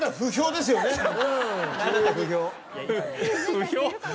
不評。